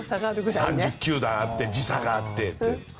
３０球団あって時差もあって。